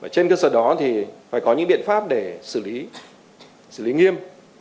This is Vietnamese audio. trên cơ sở đó thì phải có những biện pháp để xử lý nghiêm